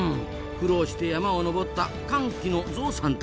苦労して山を登った「乾季」のゾウさんたち。